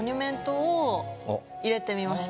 入れてみました。